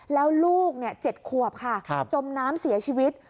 แล้วลูก๗ขวบค่ะจมน้ำเสียชีวิต